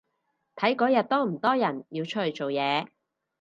睇嗰日多唔多人要出去做嘢